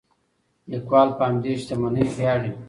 لیکوال په همدې شتمنۍ ویاړي.